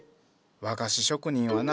和菓子職人はな